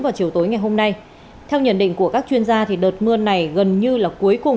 vào chiều tối ngày hôm nay theo nhận định của các chuyên gia đợt mưa này gần như là cuối cùng